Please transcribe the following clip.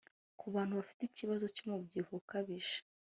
Ku bantu bafite ikibazo cy’umubyibuho ukabije